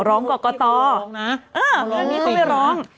ร้องก่อก่อตออื้อนั่นนี่เขาไปร้อง